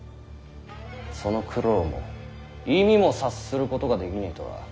その苦労も意味も察することができねぇとは！